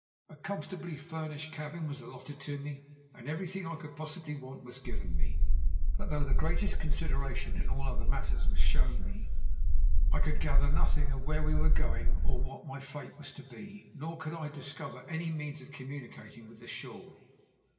A comfortably furnished cabin was allotted to me, and everything I could possibly want was given me. But though the greatest consideration in all other matters was shown me, I could gather nothing of where we were going or what my fate was to be, nor could I discover any means of communicating with the shore.